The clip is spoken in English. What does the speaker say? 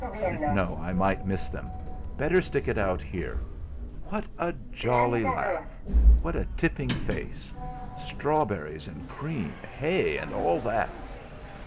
No, I might miss them better stick it out here! What a jolly laugh! What a tipping face strawberries and cream, hay, and all that!